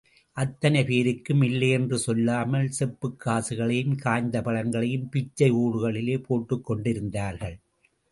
அத்தனை பேருக்கும் இல்லையென்று சொல்லாமல், செப்புக் காசுகளையும், காய்ந்த பழங்களையும் பிச்சையோடுகளிலே போட்டுக் கொண்டிருந்தார்கள்.